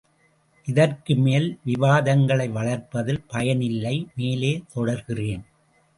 இதற்கு மேல் விவாதங்களை வளர்ப்பதில் பயன் இல்லை, மேலே தொடர்கிறேன்.